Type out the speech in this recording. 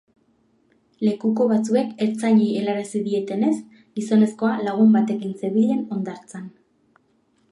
Lekuko batzuek ertzainei helarazi dietenez, gizonezkoa lagun batekin zebilen hondartzan.